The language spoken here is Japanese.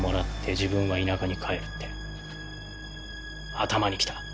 頭にきた。